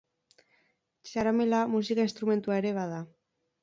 Txaramela, musika instrumentua ere bada.